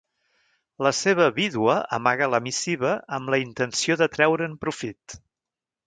La seva vídua amaga la missiva amb la intenció de treure'n profit.